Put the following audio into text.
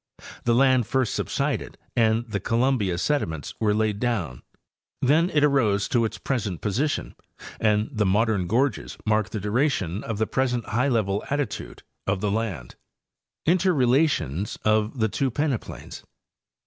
The land first subsided and the Columbia sediments were laid down; then it arose to its present position and the modern gorges mark the duration of the present high level attitude of the land. INTERRELATIONS OF THE TWO PENEPLAINS.